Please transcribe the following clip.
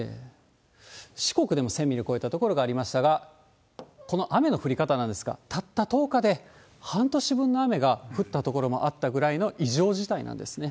四国でも１０００ミリを超えた所がありましたが、この雨の降り方なんですが、たった１０日で半年分の雨が降った所もあったぐらいの異常事態なんですね。